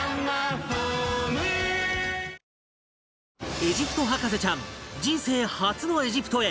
エジプト博士ちゃん人生初のエジプトへ